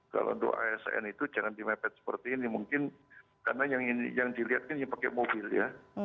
kalau untuk asn itu jangan dimepet seperti ini mungkin karena yang dilihat kan pakai mobil ya